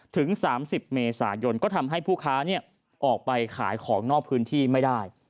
ถึง๓๐เมษายนก็ทำให้ผู้ค้าออกไปขายของนอกพื้นที่ไม่ได้